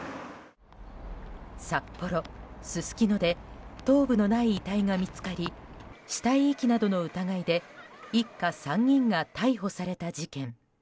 札幌・すすきので頭部のない遺体が見つかり死体遺棄などの疑いで一家３人が逮捕された事件。